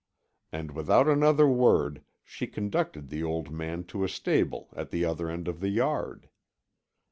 And without another word she conducted the old man to a stable at the other end of the yard.